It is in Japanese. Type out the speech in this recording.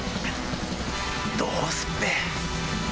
どうすっぺ。